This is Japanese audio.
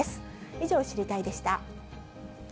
以上、知りたいッ！でした。